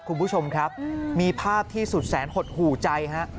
คุณผู้ชมครับมีภาพที่สุดแสนหดหู่ใจฮะ